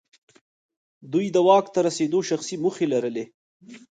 دوی د واک ته رسېدو شخصي موخې لرلې.